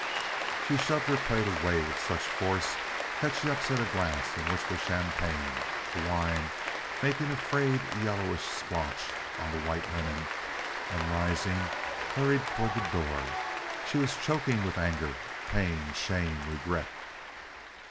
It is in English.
She shoved her plate away with such force that she upset a glass in which was champagne, the wine making a frayed, yellowish splotch on the white linen, and, rising, hurried toward the door. She was choking with anger, pain, shame, regret.